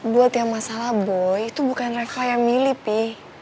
buat yang masalah boy itu bukan mereka yang milih pi